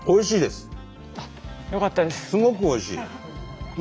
すごくおいしいうん。